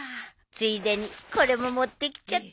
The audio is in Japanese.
ついでにこれも持って来ちゃった。